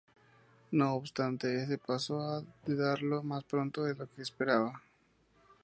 No obstante, ese paso ha de darlo más pronto de lo que esperaba.